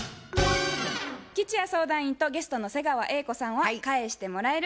吉弥相談員とゲストの瀬川瑛子さんは「返してもらえる」